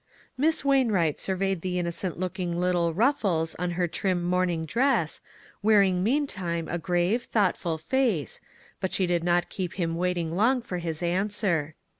Miss Wainwright surveyed the innocent looking little ruffles on her trim morning dress, wearing meantime a grave, thought ful face, but did not keep him waiting long for his answer.